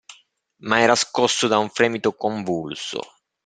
Ma era scosso da un fremito convulso.